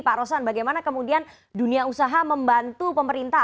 pak rosan bagaimana kemudian dunia usaha membantu pemerintah